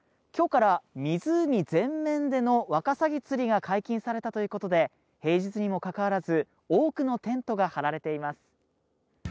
今日から湖全面でのワカサギ釣りが解禁されたということで平日にもかかわらず多くのテントが張られています。